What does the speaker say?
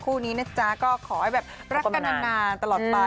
คู่นี้นะจ๊ะก็ขอให้แบบรักกันนานตลอดไป